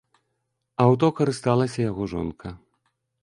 Аўто карысталася яго жонка.